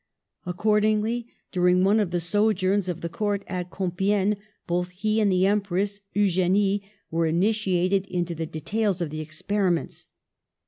Accordingly, during one of the sojourns of the court at Compiegne both he and the Empress, Eugenie, were initiated into the details of the experiments.